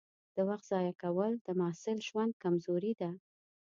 د وخت ضایع کول د محصل ژوند کمزوري ده.